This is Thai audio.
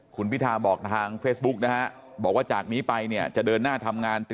คุณพิทาบอกทางเฟซบุ๊กนะฮะบอกว่าจากนี้ไปเนี่ยจะเดินหน้าทำงาน